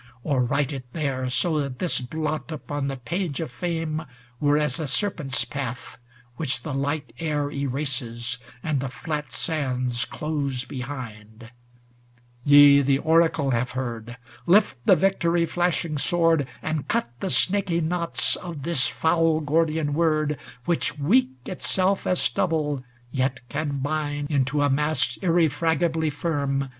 or write it there. So that this blot upon the page of fame Were as a serpent's path, which the light air Erases, and the flat sands close behind ! Ye the oracle have heard. Lift the victory flashing sword, And cut the snaky knots of this foul gor dian word, Which, weak itself as stubble, yet can bind Into a mass, irrefragably firm.